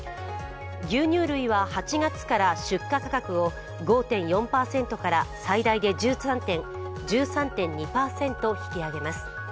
牛乳類は８月から出荷価格を５．４％から最大で１３．２％引き上げます。